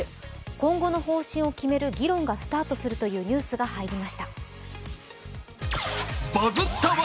今後の方針を決める議論がスタートするというニュースが入りました。